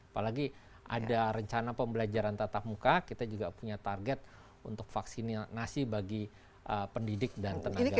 apalagi ada rencana pembelajaran tatap muka kita juga punya target untuk vaksinasi bagi pendidik dan tenaga kesehatan